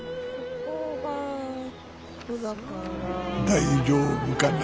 大丈夫かな？